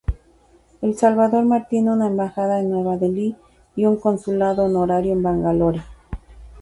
El Salvador mantiene una Embajada en Nueva Delhi y un Consulado Honorario en Bangalore.